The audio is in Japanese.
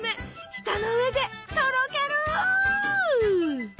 舌の上でとろける！